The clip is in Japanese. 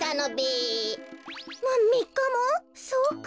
そうか。